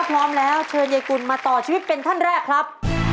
พร้อมแล้วเชิญยายกุลมาต่อชีวิตเป็นท่านแรกครับ